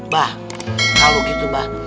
bah kalo gitu bah